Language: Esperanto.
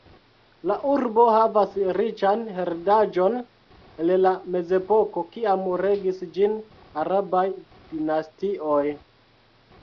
La urbo havas riĉan heredaĵon el la mezepoko, kiam regis ĝin arabaj dinastioj.